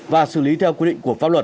và xử lý theo quy định của pháp luật